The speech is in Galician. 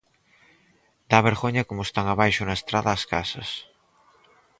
Dá vergoña como están abaixo na estrada as casas.